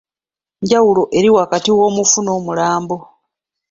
Njawulo eri wakati W’omufu n’Omulambo?